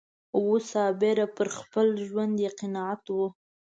وو صابره پر خپل ژوند یې قناعت و